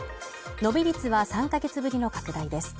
伸び率は３か月ぶりの拡大です。